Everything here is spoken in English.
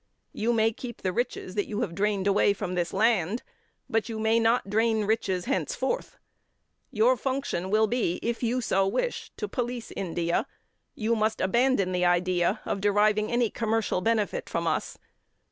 You may keep the riches that you have drained away from this land, but you may not drain riches henceforth. Your function will be, if you so wish, to police India; you must abandon the idea of deriving any commercial benefit from us.